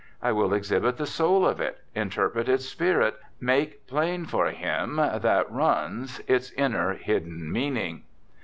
I will exhibit the soul of it, interpret its spirit, make plain for him that runs its inner, hidden meaning.